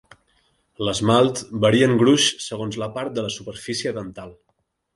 L'esmalt varia en gruix segons la part de la superfície dental.